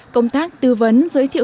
công tác tư vấn giới thiệu